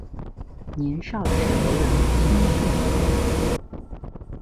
年少时为人谦逊有礼。